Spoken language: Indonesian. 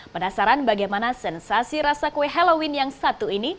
penasaran bagaimana sensasi rasa kue halloween yang satu ini